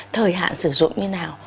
thời hạn sử dụng như nào